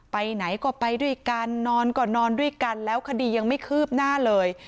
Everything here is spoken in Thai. ไปไหนก็ไปด้วยกันนอนก็นอนด้วยกันแล้วคดียังไม่คืบหน้าเลย